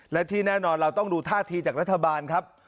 และที่แน่นอนเราต้องดูท่าทีจากรัฐบาลครับ